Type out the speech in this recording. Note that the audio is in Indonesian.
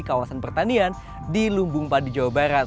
kawasan pertanian di lumbung padi jawa barat